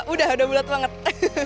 udah sudah bulat banget